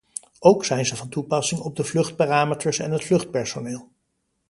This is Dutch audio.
Ook zijn ze van toepassing op de vluchtparameters en het vluchtpersoneel.